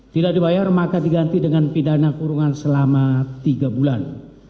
tidak dibayar maka diganti dengan pidana kurungan selama tiga bulan